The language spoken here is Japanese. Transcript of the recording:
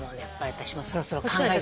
私もそろそろ考えて。